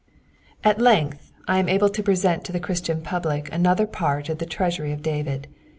At length I am able to present to the Christian public another part of The Treasury of David."